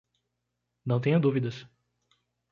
Não tenha dúvidas.